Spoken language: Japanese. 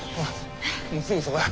もうすぐそこや。